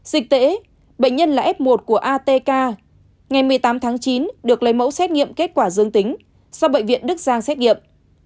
dịch tễ bệnh nhân là f một của atk ngày một mươi tám tháng chín được lấy mẫu xét nghiệm kết quả dương tính sau bệnh viện đức giang xét nghiệm